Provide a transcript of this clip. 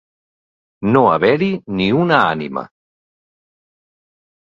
No haver-hi ni una ànima.